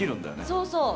そうそう。